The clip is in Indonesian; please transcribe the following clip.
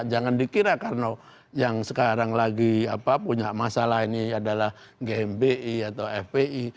jangan dikira karena yang sekarang lagi punya masalah ini adalah gmbi atau fpi